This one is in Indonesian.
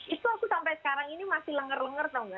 itu aku sampai sekarang ini masih lengar lengar tau gak sih